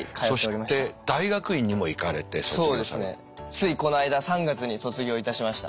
ついこの間３月に卒業いたしました。